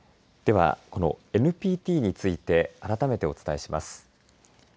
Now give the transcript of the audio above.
では、このＮＰＴについて改めてお伝えします。